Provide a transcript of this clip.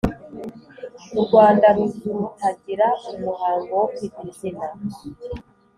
u rwanda ruzutagira umuhango wo kwita izina